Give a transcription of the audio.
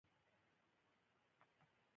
د ميلمنو يوه لويه کوټه پکښې زياته سوې وه.